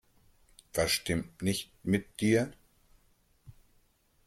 Was stimmt nicht mit dir?